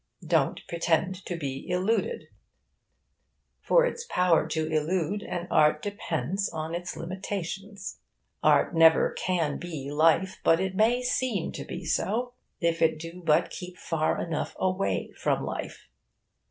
Don't pretend to be illuded. For its power to illude, an art depends on its limitations. Art never can be life, but it may seem to be so if it do but keep far enough away from life.